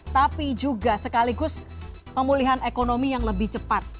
tapi juga sekaligus pemulihan ekonomi yang lebih cepat